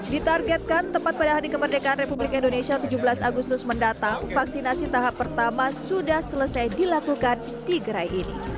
ditargetkan tepat pada hari kemerdekaan republik indonesia tujuh belas agustus mendatang vaksinasi tahap pertama sudah selesai dilakukan di gerai ini